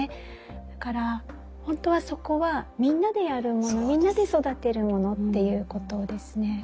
だから本当はそこはみんなでやるものみんなで育てるものっていうことですね。